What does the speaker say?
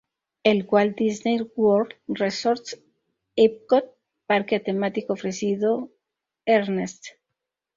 El Walt Disney World Resort s Epcot parque temático ofrecido Ernest.